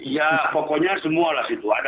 ya pokoknya semua lah situ ada